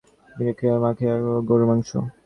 প্রিয় খাবার মাবিয়া খিচুড়ি ও গরুর মাংস।